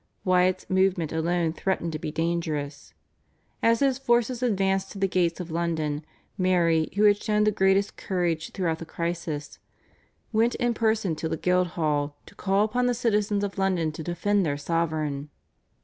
Wyatt's movement alone threatened to be dangerous. As his forces advanced to the gates of London, Mary, who had shown the greatest courage throughout the crisis, went in person to the Guildhall to call upon the citizens of London to defend their sovereign.